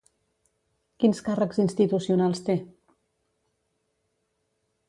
Quins càrrecs institucionals té?